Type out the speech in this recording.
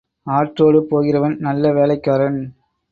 ஆற்றோடு போகிறவன் நல்ல வேலைக்காரன்.